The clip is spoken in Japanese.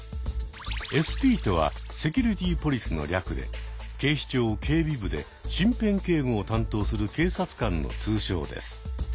ＳＰとはセキュリティ・ポリスの略で警視庁警備部で身辺警護を担当する警察官の通称です。